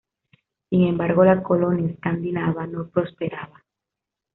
Sin embargo, la colonia escandinava no prosperaba.